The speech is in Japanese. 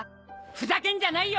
ふざけんじゃないよ！